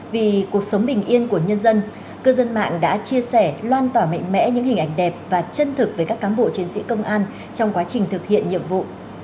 vì cuộc sống bình yên của nhân dân cư dân mạng đã chia sẻ lan tỏa mạnh mẽ những hình ảnh đẹp và chân thực với các cán bộ chiến sĩ công an trong quá trình thực hiện nhiệm vụ